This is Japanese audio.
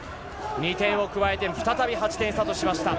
２点を加えて、再び８点差としました。